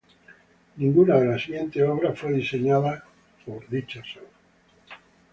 Ninguna de las siguientes obras fueron diseñados por Richardson.